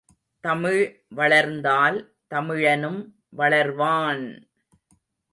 தமிழ் வளர்ந்தால் தமிழனும் வளர்வான்!